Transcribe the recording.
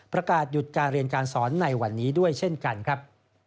ประกาศหยุดการเรียนการสอนในวันนี้ด้วยเช่นกันครับ